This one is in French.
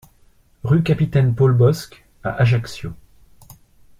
Rue Capitaine Paul Bosc à Ajaccio